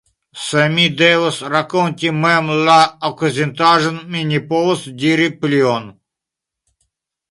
Se mi devus rakonti mem la okazintaĵon, mi ne povus diri plion.